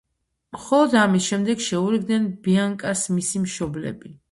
მხოლოდ ამის შემდეგ შეურიგდნენ ბიანკას მისი მშობლები.